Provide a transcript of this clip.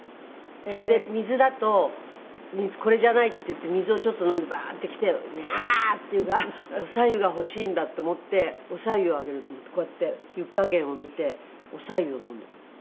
それで水だとこれじゃないっていって水をちょっと飲んでバーッて来て「ミャー！」って言うからあっお白湯が欲しいんだと思ってお白湯をあげるとこうやって湯加減をみてお白湯を飲んでいます。